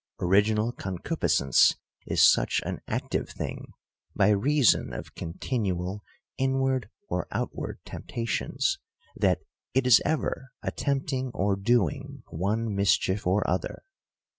Original concupiscence is such an active thing, by reason of continual inward or outward tempta 24 THE COUNTRY PARSON. tions, that it is ever attempting or doing one mischief or other.